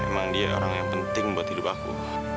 emang dia orang yang penting buat hidup aku